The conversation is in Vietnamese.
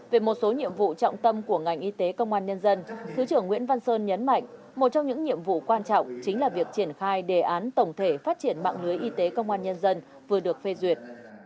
về một số nhiệm vụ trọng tâm của ngành y tế công an nhân dân thứ trưởng nguyễn văn sơn nhấn mạnh một trong những nhiệm vụ quan trọng chính là việc triển khai đề án tổng thể phát triển mạng lưới y tế công an nhân dân vừa được phê duyệt